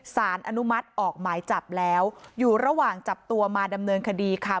สารอนุมัติออกหมายจับแล้วอยู่ระหว่างจับตัวมาดำเนินคดีค่ะ